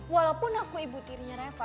walaupun aku ibu tirinya reva